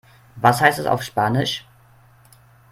Was heißt das auf Spanisch?